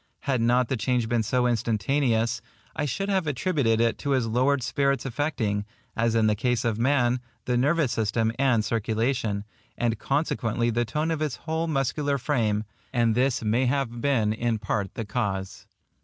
Had not the change been so instantaneous, I should have attributed it to his lowered spirits affecting, as in the case of man, the nervous system and circulation, and consequently the tone of his whole muscular frame; and this may have been in part the cause.